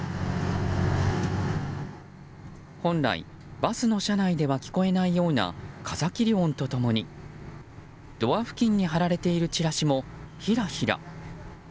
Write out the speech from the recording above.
本来、バスの車内では聞こえないような風切り音と共にドア付近に貼られているチラシもひらひら。